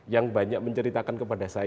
yang banyak menceritakan kepada saya